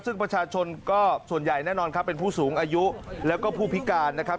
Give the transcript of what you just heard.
ซึ่งประชาชนก็ส่วนใหญ่แน่นอนครับเป็นผู้สูงอายุแล้วก็ผู้พิการนะครับ